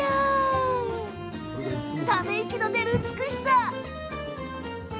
ため息の出る美しさ。